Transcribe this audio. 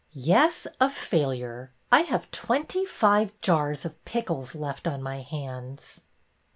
Yes, a failure. I have twenty five jars of pickles left on my hands."